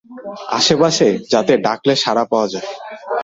আশেপাশে, যাতে ডাকলে সাড়া পাওয়া যায়।